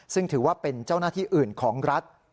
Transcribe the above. ซึ่งถือว่าเป็นเจ้าหน้าที่อื่นของรัฐ